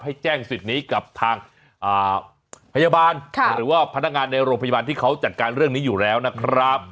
ให้แจ้งสิทธิ์นี้กับทางพยาบาลหรือว่าพนักงานในโรงพยาบาลที่เขาจัดการเรื่องนี้อยู่แล้วนะครับ